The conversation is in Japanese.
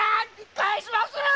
返します‼